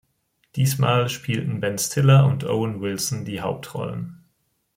Diesmal spielten Ben Stiller und Owen Wilson die Hauptrollen.